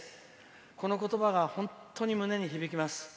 この言葉が本当に胸に響きます。